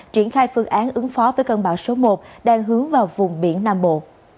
triển khai phương án ứng phó với cơn bão số một đang hướng vào vùng biển nam bộ